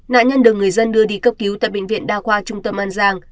nạn nhân được người dân đưa đi cấp cứu tại bệnh viện đa khoa trung tâm an giang